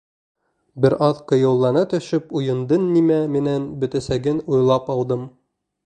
Бер аҙ ҡыйыулана төшөп, уйындың нимә менән бөтәсәген уйлап алдым.